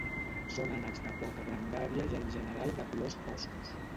Són ànecs de poca grandària i en general de colors foscos.